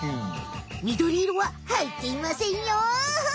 みどり色ははいっていませんよフッ。